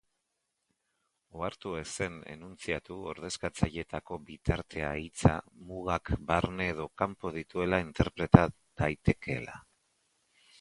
Ohartu ezen enuntziatu ordezkatzaileetako bitartea hitza mugak barne edo kanpo dituela interpreta daitekeela.